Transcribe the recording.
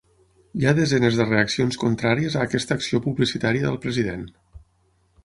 Hi ha desenes de reaccions contràries a aquesta acció publicitària del president.